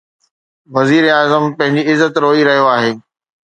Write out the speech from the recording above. وزيراعظم پنهنجي عزت روئي رهيو آهي.